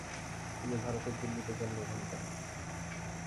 তিনি ভারতের দিল্লীতে জন্মগ্রহণ করেন।